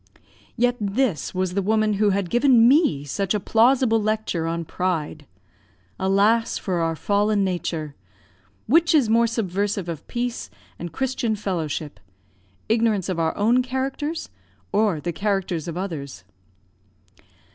Yet this was the woman who had given me such a plausible lecture on pride. Alas, for our fallen nature! Which is more subversive of peace and Christian fellowship ignorance of our own characters, or the characters of others?